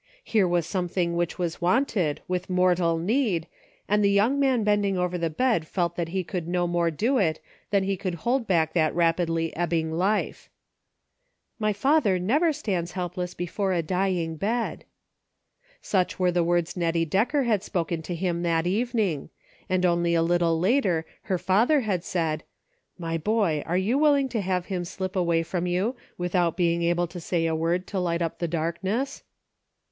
Here was something which was wanted, with mortal need, and the young man bending over the bed felt that he could no more do it than he could hold back that rapidly ebbing life. " My father never stands helpless before a dying bed." Such were the words Nettie Decker had spoken to him that evening, and only a little later her father had said, " My boy, are you willing to have him slip away from you without being able to say a word to light up the darkness